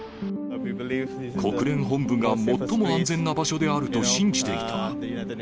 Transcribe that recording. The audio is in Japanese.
国連本部が最も安全な場所であると信じていた。